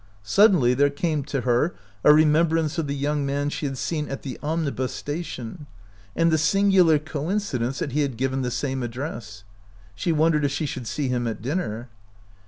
Suddenly there came to her a remembrance of the young man she had seen at the omnibus station, and the singular coincidence that he had given the same address. She wondered if she should see him at dinner.